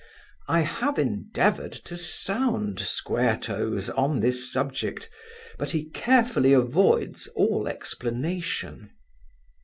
I have endeavoured to sound Square toes on this subject; but he carefully avoids all explanation.